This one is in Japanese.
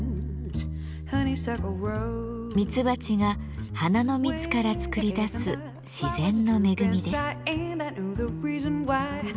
ミツバチが花の蜜から作り出す自然の恵みです。